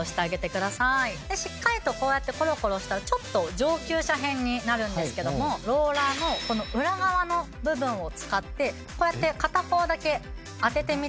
でしっかりとこうやってコロコロしたらちょっと上級者編になるんですけどもローラーのこの裏側の部分を使ってこうやって片方だけ当ててみてください。